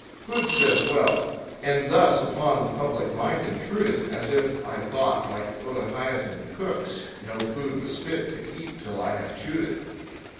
Hood says well, And thus upon the public mind intrude it; As if I thought, like Otaheitan cooks, No food was fit to eat till I had chewed it.